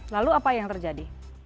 lalu apa yang terjadi